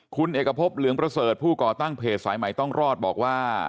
คุณเอกพบเหลืองประเสริฐผู้ก่อตั้งเพจสายใหม่ต้องรอดบอกว่า